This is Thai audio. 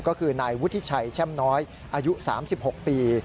ก็คือนายวุฒิชัยแช่มน้อยอายุ๓๖ปี